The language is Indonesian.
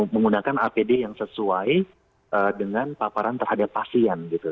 menggunakan apd yang sesuai dengan paparan terhadap pasien gitu